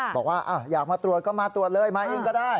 บอกว่าอยากมาตรวจก็มาตรวจเลยมาเองก็ได้